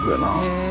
へえ。